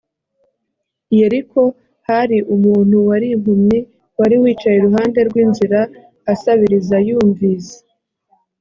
yeriko hari umuntu wari impumyi wari wicaye iruhande rw inzira asabiriza yumvise